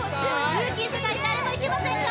ルーキー世代誰もいけませんか？